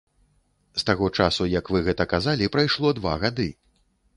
З таго часу як вы гэта казалі прайшло два гады.